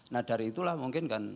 nah dari itulah mungkin kan